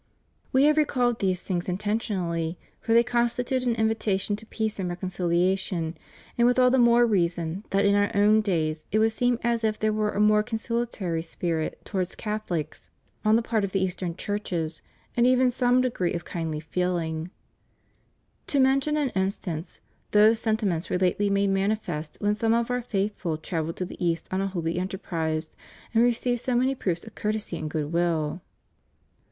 We have recalled these things intentionally, for they con stitute an invitation to peace and reconcihation ; and with all the more reason that in Our own days it would seem as if there were a more conciliatory spirit towards Catholics 308 THE REUNION OF CHRISTENDOM. on the part of the Eastern Churches, and even some degree of kindly feehng. To mention an instance, those senti ments were lately made manifest when some of Our faith ful travelled to the East on a holy enterprise, and received so many proofs of courtesy and good will.